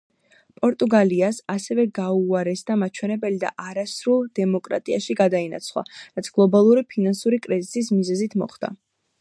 პორტუგალიას ასევე გაუუარესდა მაჩვენებელი და არასრულ დემოკრატიაში გადაინაცვლა, რაც გლობალური ფინანსური კრიზისის მიზეზით მოხდა.